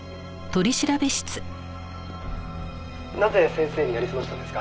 「なぜ先生になりすましたんですか？」